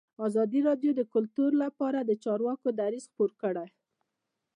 ازادي راډیو د کلتور لپاره د چارواکو دریځ خپور کړی.